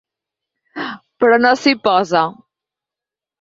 Però no s'hi posa.